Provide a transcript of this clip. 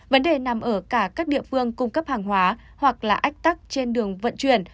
vấn đề nằm ở cả các địa phương cung cấp hàng hóa hoặc là ách tắc trên đường vận chuyển